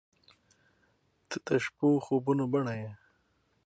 • ته د شپو خوبونو بڼه یې.